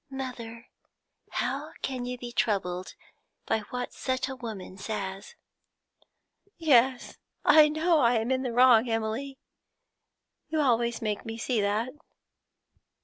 'Mother, how can you be troubled by what such a woman says?' 'Yes, I know I am in the wrong, Emily; you always make me see that.'